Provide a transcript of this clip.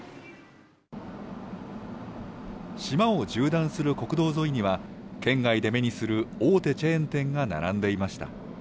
島を縦断する国道沿いには、県外で目にする大手チェーン店が並んでいました。